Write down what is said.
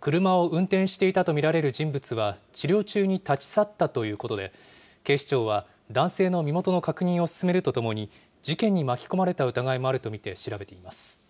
車を運転していたと見られる人物は、治療中に立ち去ったということで、警視庁は男性の身元の確認を進めるとともに、事件に巻き込まれた疑いもあると見て調べています。